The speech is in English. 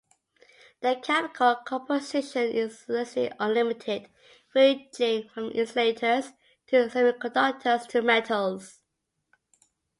The chemical composition is essentially unlimited, ranging from insulators to semiconductors to metals.